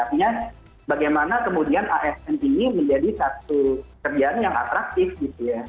artinya bagaimana kemudian asn ini menjadi satu kerjaan yang atraktif gitu ya